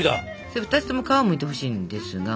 それ２つとも皮をむいてほしいんですが。